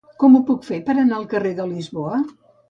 Com ho puc fer per anar al carrer de Lisboa?